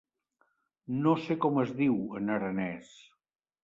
No sé com es diu, en aranès.